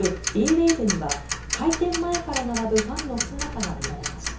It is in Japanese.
ＷＡＶＥには開店前から並ぶファンの姿が見られました。